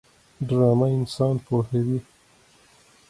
ډرامه انسان پوهوي